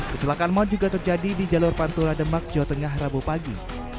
kecelakaan mod juga terjadi di jalur pantul rademak jawa tengah rabu pagi